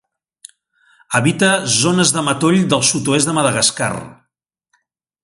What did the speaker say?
Habita zones de matoll del sud -oest de Madagascar.